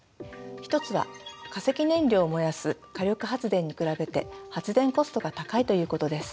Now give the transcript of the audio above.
１つは化石燃料を燃やす火力発電に比べて発電コストが高いということです。